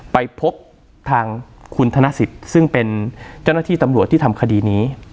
ไปพบทางคุณธนสิทธิ์ซึ่งเป็นเจ้าหน้าที่ตำรวจที่ทำคดีนี้